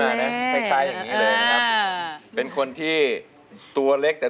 ร้องได้ให้ล้านกับพวกเราค่ะ